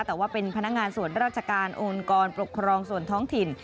แต่ว่าเป็นพนักงานส่วนราชการองค์กรปกครองส่วนท้องถิ่น